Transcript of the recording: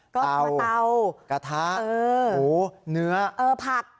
เตากระทะหมูเนื้อผัก